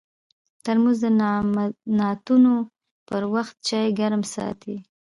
ترموز د نعتونو پر وخت چای ګرم ساتي.